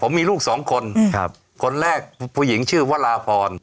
มีลูกสองคนคนแรกผู้หญิงชื่อวราพร